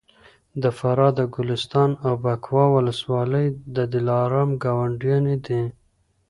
د فراه د ګلستان او بکواه ولسوالۍ د دلارام ګاونډیانې دي